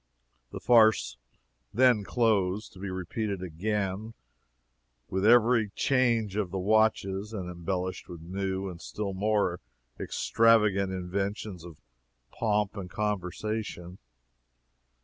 The farce then closed, to be repeated again with every change of the watches, and embellished with new and still more extravagant inventions of pomp and conversation.